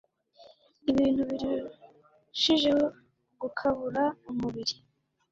ibintu birushijeho gukabura umubiri